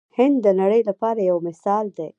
هند د نړۍ لپاره یو مثال دی.